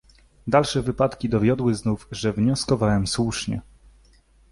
"Dalsze wypadki dowiodły znów, że wnioskowałem słusznie."